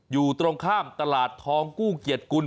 อยู่ตรงข้ามตลาดทองกู้เกียรติกุล